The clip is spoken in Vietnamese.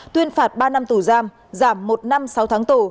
tuyên phạt ba năm tù giam giảm một năm sáu tháng tù